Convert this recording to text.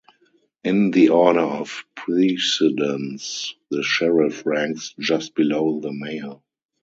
In the order of precedence, the Sheriff ranks just below the Mayor.